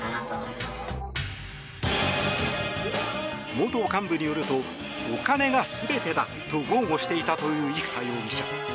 元幹部によるとお金が全てだと豪語していたという生田容疑者。